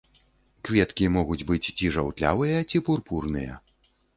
Кветкі могуць быць ці жаўтлявыя, ці пурпурныя.